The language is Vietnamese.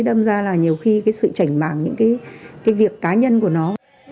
đâm ra là nhiều khi cái sự trảnh bảng những cái việc cá nhân của nó